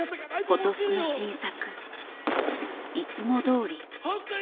今年の新作「いつも通り」。